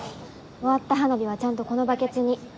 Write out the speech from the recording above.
終わった花火はちゃんとこのバケツに。